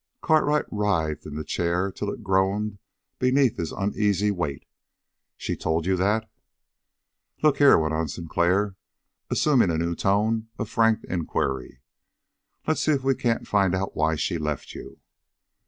Cartwright writhed in the chair till it groaned beneath his uneasy weight. "She told you that?" "Look here," went on Sinclair, assuming a new tone of frank inquiry. "Let's see if we can't find out why she left you?"